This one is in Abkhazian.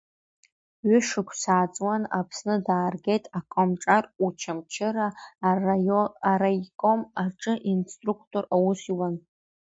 Ҩы-шықәса ааҵуаны, Аԥсны дааргеит, акомҿар Уачамчы-ра араиком аҿы инструкторс аус иуан.